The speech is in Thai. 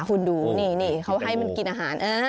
คุณดูนี่เขาให้มันกินอาหาร